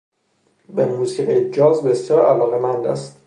به موسیقی جاز بسیار علاقهمند است.